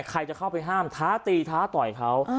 ใครจะเข้าไปห้ามท้าตีท้าต่อยเขา